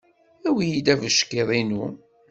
Awi-iyi-d abeckiḍ-inu.